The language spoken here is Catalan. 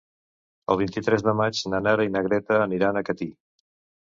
El vint-i-tres de maig na Nara i na Greta aniran a Catí.